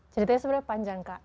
ceritanya sebenarnya panjang kak